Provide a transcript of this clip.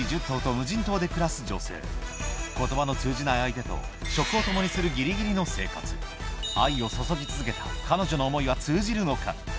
１０頭と無人島で暮らす女性言葉の通じない相手と食を共にするギリギリの生活愛を注ぎ続けた彼女の思いは通じるのか？